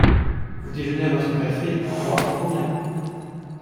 Vous déjeunez à votre café… moi, au mien…